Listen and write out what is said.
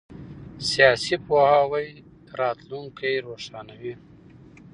سیاسي پوهاوی راتلونکی روښانوي